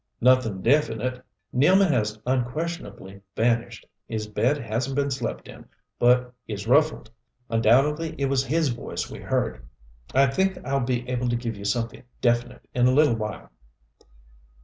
"Nothing definite. Nealman has unquestionably vanished. His bed hasn't been slept in, but is ruffled. Undoubtedly it was his voice we heard. I think I'll be able to give you something definite in a little while."